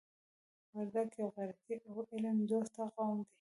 وردګ یو غیرتي او علم دوسته قوم دی.